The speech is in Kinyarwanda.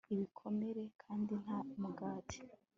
ibikomere kandi nta mugati